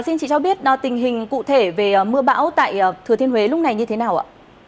xin chị cho biết tình hình cụ thể về mưa bão tại thừa thiên huế lúc này như thế nào ạ